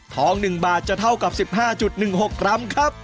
ทองหนึ่งบาทจะเท่ากับ๑๕๑๖กรัมครับ